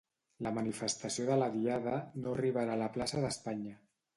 La manifestació de la Diada no arribarà a la plaça d'Espanya